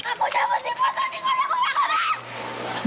aku jangan berhenti motor di rumah